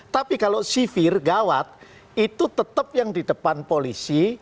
sehingga dia di belakang gawat itu tetap yang di depan polisi